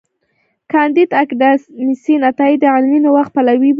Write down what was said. کانديد اکاډميسن عطايي د علمي نوښت پلوي و.